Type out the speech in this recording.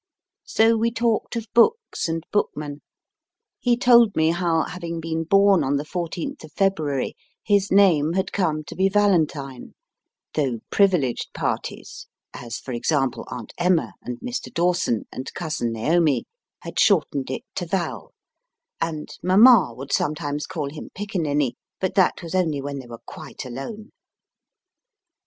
So we talked of books and bookmen. He told me how, having been born on the fourteenth of February, his name had come to be Valentine, though privileged parties, as for example Aunt Emma, and Mr. Dawson, and Cousin Naomi, had shortened it to Val, and Mama would sometimes call him Pickaniny, but that was only when they were quite alone.